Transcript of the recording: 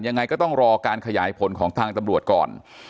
ยังไงก็ต้องรอการขยายผลของทางตำรวจก่อน